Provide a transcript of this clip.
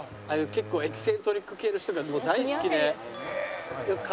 結構エキセントリック系の人が大好きでよく買ってて。